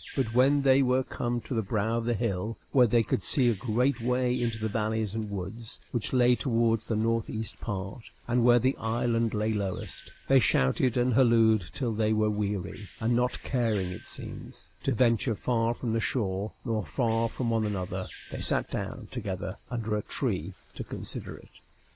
But when they were come to the brow of the hill where they could see a great way into the valleys and woods, which lay towards the northeast part, and where the island lay lowest, they shouted and hallooed till they were weary; and not caring, it seems, to venture far from the shore, nor far from one another, they sat down together under a tree to consider it.